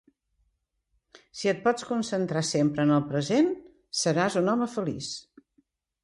Si et pots concentrar sempre en el present, seràs un home feliç.